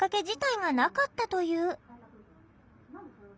自体がなかったという。